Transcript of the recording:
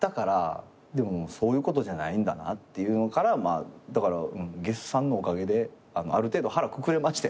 でもそういうことじゃないんだなっていうのからだからゲスさんのおかげである程度腹くくれましたよ。